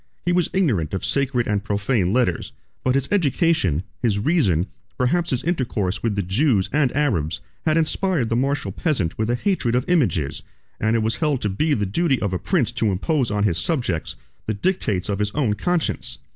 He was ignorant of sacred and profane letters; but his education, his reason, perhaps his intercourse with the Jews and Arabs, had inspired the martial peasant with a hatred of images; and it was held to be the duty of a prince to impose on his subjects the dictates of his own conscience.